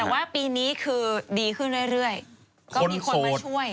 แต่ว่าปีนี้คือดีขึ้นเรื่อยก็มีคนมาช่วย